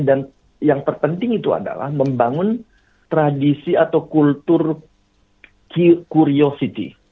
dan yang terpenting itu adalah membangun tradisi atau kultur curiosity